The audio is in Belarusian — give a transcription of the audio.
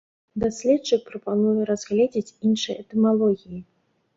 Даследчык прапануе разгледзець іншыя этымалогіі.